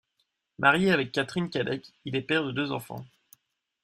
Marié avec Katherine Cadec, il est père de deux enfants.